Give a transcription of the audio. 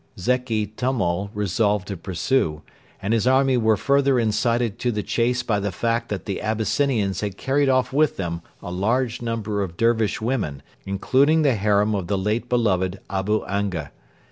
Zeki Tummal resolved to pursue, and his army were further incited to the chase by the fact that the Abyssinians had carried off with them a large number of Dervish women, including the harem of the late beloved Abu Anga.